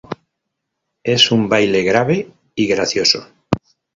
Es un baile grave y gracioso.